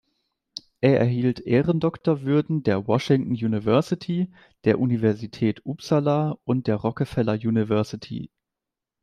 Er erhielt Ehrendoktorwürden der Washington University, der Universität Uppsala und der Rockefeller University.